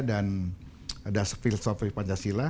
dan dasar filosofi pancasila